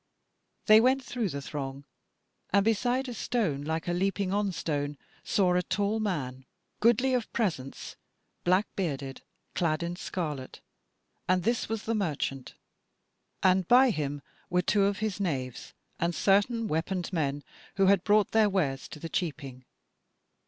They went through the throng, and beside a stone like a leaping on stone saw a tall man, goodly of presence, black bearded, clad in scarlet; and this was the merchant; and by him were two of his knaves and certain weaponed men who had brought their wares to the cheaping.